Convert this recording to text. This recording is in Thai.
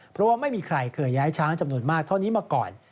เพราะว่าไม่มีใครเคยย้ายช้างจำนวนมากเท่านี้มาก่อน